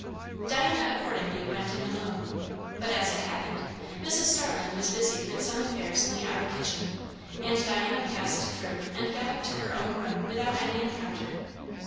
Diana accordingly went in alone. But, as it happened, Mrs. Starling was busied with some affairs in the outer kitchen; and Diana passed through and got up to her own room without any encounter.